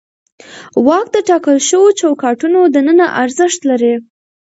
واک د ټاکل شوو چوکاټونو دننه ارزښت لري.